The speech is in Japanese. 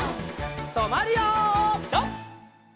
とまるよピタ！